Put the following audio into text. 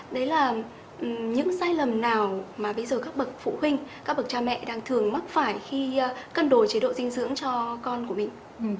đấy là những sai lầm nào mà bây giờ các bậc phụ huynh các bậc cha mẹ đang thường mắc phải khi cân đối chế độ dinh dưỡng cho con của mình